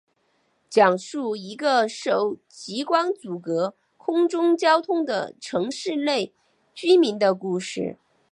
讲述一个受极光阻断空中交通的城市内居民的故事。